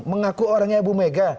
mengaku orangnya bu mega